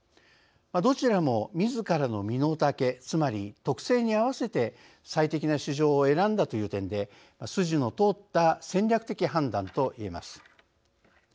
どちらもみずからの身の丈つまり特性にあわせて最適な市場を選んだという点で筋の通った戦略的判断といえます。